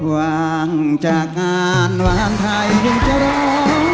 หวังจากงานหวานทายยังเจ้าร้อง